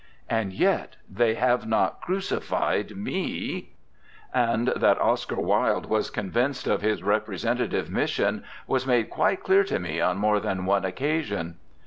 And yet they have not crucified me."' And that Oscar Wilde was convinced of his representative mission was made quite clear to me on more than one occasion.